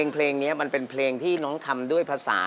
เพลงนี้มันเป็นเพลงที่น้องทำด้วยภาษา